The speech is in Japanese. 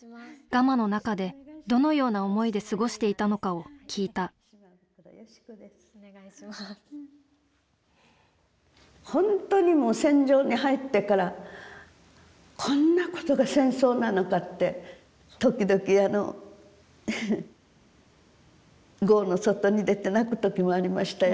ガマの中でどのような思いで過ごしていたのかを聞いた本当にもう戦場に入ってから「こんなことが戦争なのか」って時々壕の外に出て泣く時もありましたよ。